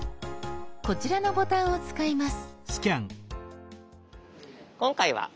こちらのボタンを使います。